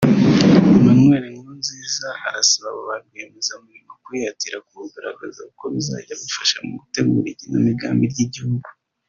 Emmanuel Nkurunziza arasaba abo barwiyemezamirimo kwihatira kuwugaragaza kuko bizajya bifasha mu gutegura igenamigambi ry’igihugu